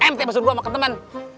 mt masuk gua sama temen